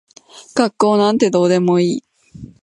学校なんてどうでもいい。